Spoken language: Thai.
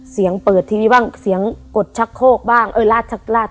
เสียงเปิดทีวีบ้างเสียงกดชักโค้กบ้างลาดชักโค้กบ้าง